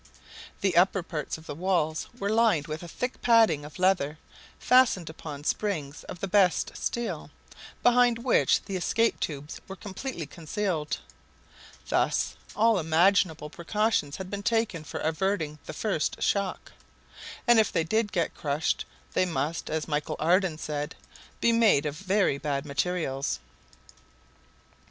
The upper parts of the walls were lined with a thick padding of leather, fastened upon springs of the best steel, behind which the escape tubes were completely concealed; thus all imaginable precautions had been taken for averting the first shock; and if they did get crushed, they must, as Michel Ardan said, be made of very bad materials.